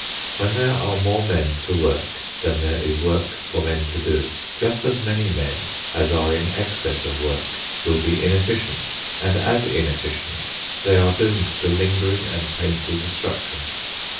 When there are more men to work than there is work for men to do, just as many men as are in excess of work will be inefficients, and as inefficients they are doomed to lingering and painful destruction.